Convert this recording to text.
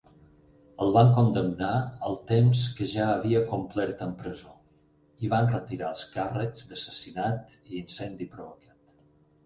El van condemnar al temps que ja havia complert en presó i van retirar els càrrecs d'assassinat i incendi provocat.